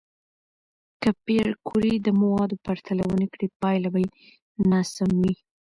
که پېیر کوري د موادو پرتله ونه کړي، پایله به ناسم وي.